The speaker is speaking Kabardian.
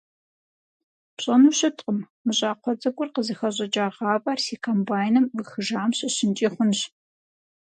Пщӏэну щыткъым, мы щӏакхъуэ цӏыкӏур къызыхэщӏыкӏа гъавэр си комбайным ӏуихыжам щыщынкӏи хъунщ.